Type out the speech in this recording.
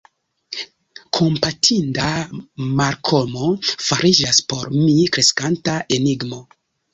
Kompatinda Malkomo fariĝas por mi kreskanta enigmo.